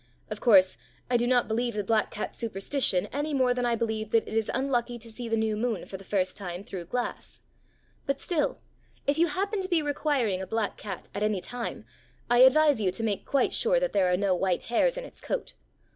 Of course, I do not believe the black cat superstition any more than I believe that it is unlucky to see the new moon for the first time through glass. But still, if you happen to be requiring a black cat at any time, I advise you to make quite sure that there are no white hairs in its coat.